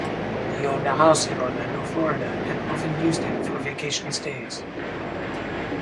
He owned a house in Orlando, Florida, and often used it for vacation stays.